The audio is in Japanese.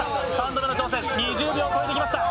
３度目の挑戦、２０秒を超えてきました。